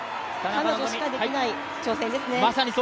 彼女しかできない挑戦ですね。